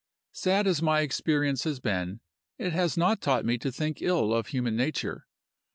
"Sad as my experience has been, it has not taught me to think ill of human nature.